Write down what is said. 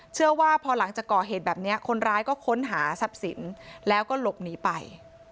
เชื่อว่าพอหลังจากก่อเหตุแบบนี้คนร้ายก็ค้นหาทรัพย์สินแล้วก็หลบหนีไป